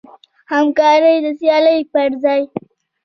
همکاري د سیالۍ پر ځای.